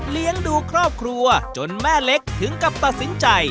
เลี้ยงดูครอบครัวจนแม่เล็กถึงกับตัดสินใจ